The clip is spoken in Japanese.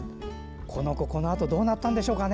この子、このあとどうなったんでしょうかね。